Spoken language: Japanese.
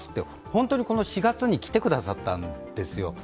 本当にこの４月に来てくださったんですよ。